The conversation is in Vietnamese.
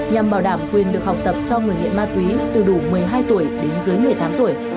nhằm bảo đảm quyền được học tập cho người nghiện ma túy từ đủ một mươi hai tuổi đến dưới một mươi tám tuổi